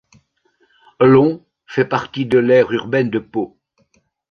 Lons fait partie de l'aire urbaine de Pau.